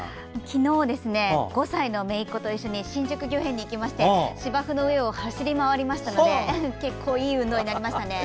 昨日５歳のめいっ子と一緒に新宿御苑に行きまして芝生の上を走り回りましたので結構いい運動になりましたね。